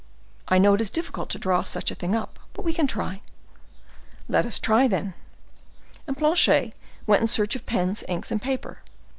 "I know it is difficult to draw such a thing up, but we can try." "Let us try, then." And Planchet went in search of pens, ink, and paper.